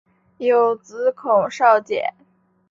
有子孔昭俭。